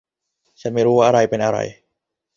ฉันไม่รู้ว่าอะไรเป็นอะไร